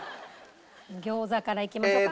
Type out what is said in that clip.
餃子からいきましょうか。